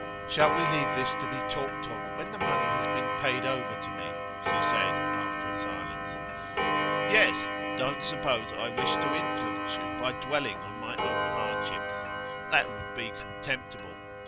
'Shall we leave this to be talked of when the money has been paid over to me?' she said, after a silence. 'Yes. Don't suppose I wish to influence you by dwelling on my own hardships. That would be contemptible.